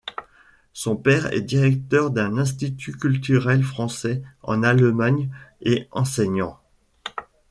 Son père est directeur d’un institut culturel français en Allemagne et enseignant.